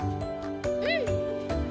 うん！